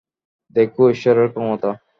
দেখো, ঈশ্বরের ক্ষমতা।